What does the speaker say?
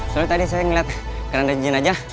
soalnya tadi saya ngeliat keranda jenajah